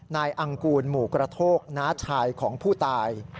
อังกูลหมู่กระโทกน้าชายของผู้ตาย